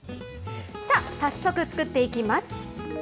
さあ、早速作っていきます。